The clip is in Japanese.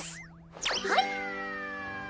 はい！